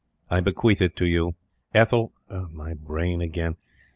I bequeath it to you. Ethel... My brain again!...